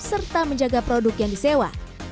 serta menjaga produk yang disewa